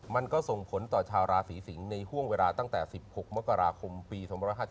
มันก็ส่งผลต่อชาวราศีสิงศ์ในห่วงเวลาตั้งแต่๑๖มกราคมปี๒๕๕๙